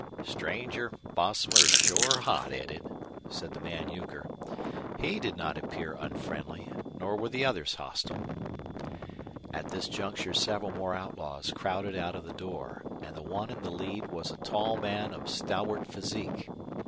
"Stranger, Bosomer is shore hot headed," said the man Euchre. He did not appear unfriendly, nor were the others hostile. At this juncture several more outlaws crowded out of the door, and the one in the lead was a tall man of stalwart physique.